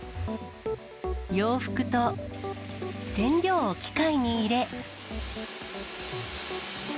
洋服と染料を機械に入れ。